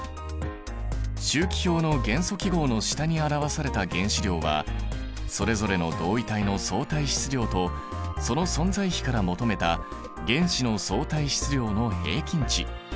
周期表の元素記号の下に表された原子量はそれぞれの同位体の相対質量とその存在比から求めた原子の相対質量の平均値。